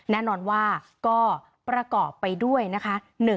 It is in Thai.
แน่นอนว่าก็ประกอบไปด้วยนะคะ